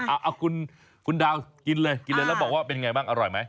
เอาคุณดาวกินเลยกินเลยแล้วบอกว่าเป็นไงบ้างอร่อยไหม